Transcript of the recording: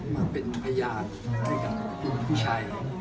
มาเป็นพยานด้วยกับพี่ชัย